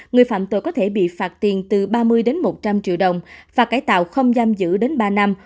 người phạm tội có thể bị phạt tiền từ ba mươi đến một trăm linh triệu đồng và cải tạo không giam giữ đến ba năm